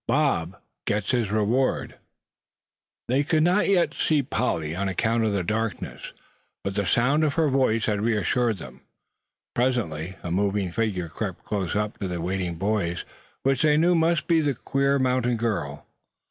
BOB GETS HIS REWARD. NEARER came the rustling. They could not yet see Polly, on account of the darkness, but the sound of her voice had reassured them. Presently a moving figure crept close up to the waiting boys; which they knew must be the queer mountain girl.